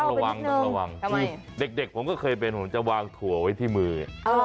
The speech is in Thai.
ระวังต้องระวังคือเด็กผมก็เคยเป็นผมจะวางถั่วไว้ที่มือ